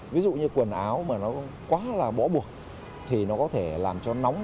ví dụ như quần áo mà nó quá là bó buộc thì nó có thể làm cho nóng